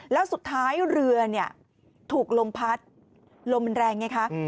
แล้วสุดท้ายเรือถูกลมพัดลมแรงไงคะ